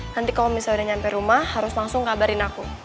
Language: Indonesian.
nanti kalau misalnya udah nyampe rumah harus langsung kabarin aku